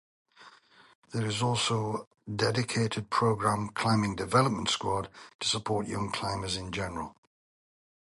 There is also dedicated program (Climbing Development Squad) to support young climbers in general.